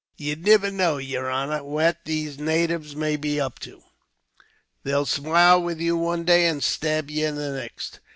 "You niver know, yer honor, what these natives may be up to. They'll smile with you one day, and stab ye the next.